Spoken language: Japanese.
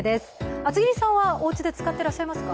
厚切りさんは、おうちで使ってらっしゃいますか？